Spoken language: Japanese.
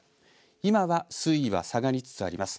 今は水位は下がりつつあります。